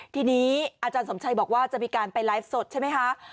ทีนี้อาจารย์สมชัยบอกว่าจะมีการไปไลฟ์สดใช่ไหมคะ